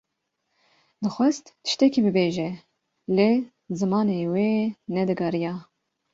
Dixwest tiştekî bibêje; lê zimanê wê ne digeriya.